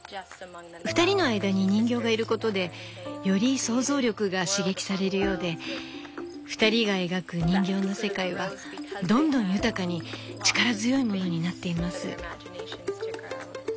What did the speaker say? ２人の間に人形がいることでより想像力が刺激されるようで２人が描く人形の世界はどんどん豊かに力強いものになっています。